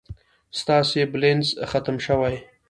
ستاسي بلينس ختم شوي